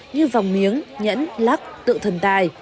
như vòng miếng nhẫn lắc tự thần tài